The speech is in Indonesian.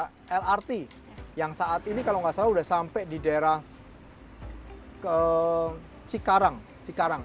hak lrt yang saat ini kalau gak salah udah sampai di daerah cikarang